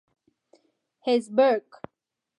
هېزبرګ.